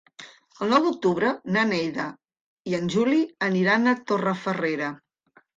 El nou d'octubre na Neida i en Juli aniran a Torrefarrera.